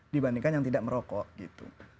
dibandingkan yang tidak merokok gitu